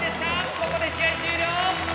ここで試合終了！